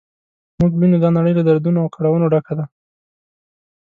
موږ وینو دا نړۍ له دردونو او کړاوونو ډکه ده.